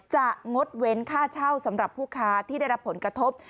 งดเว้นค่าเช่าสำหรับผู้ค้าที่ได้รับผลกระทบ